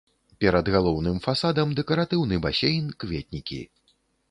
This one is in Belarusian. Перад галоўным фасадам дэкаратыўны басейн, кветнікі.